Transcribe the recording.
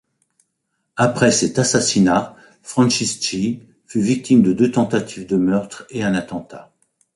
Après cet assassinat, Francisci fut victime de deux tentatives de meurtres et un attentat.